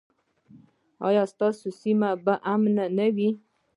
ایا ستاسو سیمه به امن نه وي؟